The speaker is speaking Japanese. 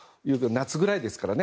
夏ぐらいですからね